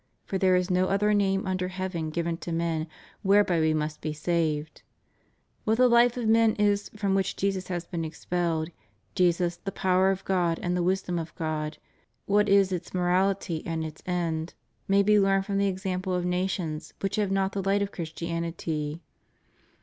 For there is no other name under heaven given to men, whereby we must be saved} What the hfe of men is from which Jesus has been expelled, Jesus "the Power of God and the Wisdom of God," what is its moraUty and its end, may be learned from the example of nations which have not the light of Christianity.